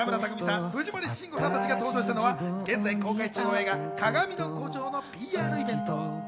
昨日、當真あみさん、北村匠海さん、藤森慎吾さん達が登場したのは現在公開中の映画『かがみの孤城』のＰＲイベント。